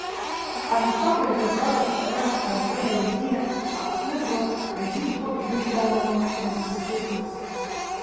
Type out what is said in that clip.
Ансамбль Кавказ аԥҵара азы аидеиа Аԥсны жәлар рџьынџьтәылатәи еибашьраан ауп иансызцәырҵыз.